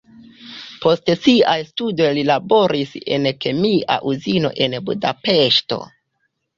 Post siaj studoj li laboris en kemia uzino en Budapeŝto.